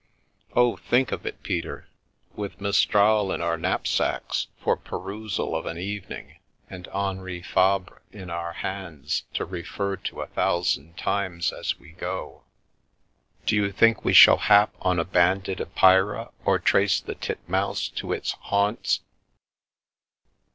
Oh, think of it, Peter, with Mistral in our knapsacks, for perusal of an evening, and Henri Fabre in our hands, to refer to a thousand times as we go. Do you think we shall hap on a Banded Epeira or trace the titmouse to its haunts?"